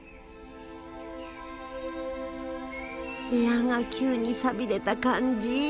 部屋が急に寂れた感じ？